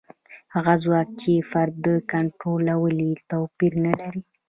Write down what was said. هغه ځواک چې فرد کنټرولوي توپیر نه لري.